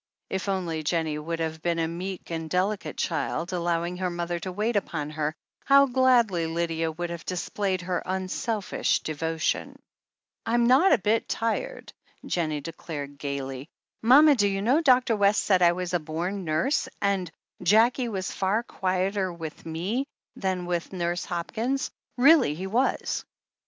If only Jennie would have been a meek and delicate child, allowing her mother to wait upon her, how gladly Lydia would have displayed her unselfish devotion ! "I'm not a bit tired," Jennie declared gaily. "Mama, do you know Dr. West said I was a bom nurse and Jackie was far quieter with me than with Nurse Hop kins — ^really he was."